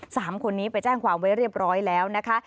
สามคนนี้ไปแจ้งความไว้เรียบร้อยแล้วนะคะ